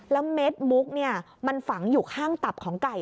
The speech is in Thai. แล้วเม็ดมุกมันฝังอยู่ข้างตับของไก่